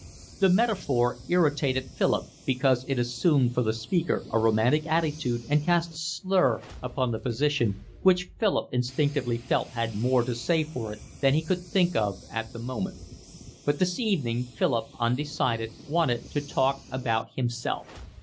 The metaphor irritated Philip, because it assumed for the speaker a romantic attitude and cast a slur upon the position which Philip instinctively felt had more to say for it than he could think of at the moment. But this evening Philip, undecided, wanted to talk about himself.